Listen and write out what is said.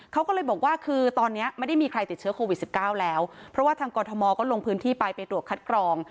เขาก็เลยบอกว่าคือตอนนี้ไม่ได้มีใครติดเชื้อโควิดสิบเก้าแล้วเพราะว่าทางกรทมก็ลงพื้นที่ไปไปตรวจคัดกรอง